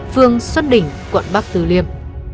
phương xuân đỉnh quận bắc từ liêm